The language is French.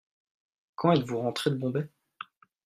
Quand êtes-vous rentré de Bombay ?